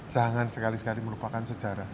jangan sekali sekali melupakan sejarah